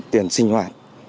tiền sinh hoạt